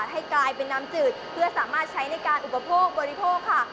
ให้กลายเป็นน้ำจืดเพื่อสามารถใช้ในการอุปโภคบริโภคค่ะ